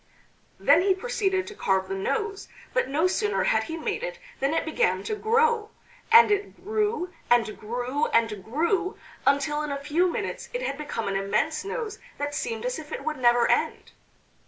Then he proceeded to carve the nose; but no sooner had he made it than it began to grow. And it grew, and grew, and grew until in a few minutes it had become an immense nose that seemed as if it would never end.